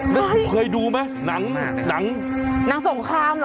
เฮ้ยเคยดูไหมหนังหนังหนังสงครามเหรอ